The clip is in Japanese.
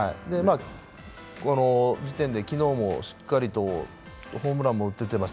この時点で昨日もしっかりとホームランも出てます。